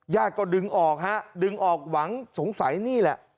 ก็ดึงออกฮะดึงออกหวังสงสัยนี่แหละ